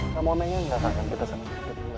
kamu mau nengok ngengok sama kita